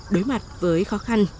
đối mặt với khó khăn